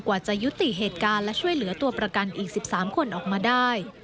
จะยุติเหตุการณ์และช่วยเหลือตัวประกันอีก๑๓คนออกมาได้